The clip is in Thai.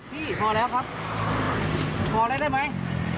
พี่พอแล้วครับพอแล้วได้ไหม